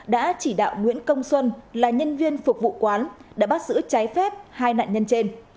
đã chỉ đạo nguyễn công xuân là nhân viên phục vụ quán đã bắt giữ trái phép hai nạn nhân trên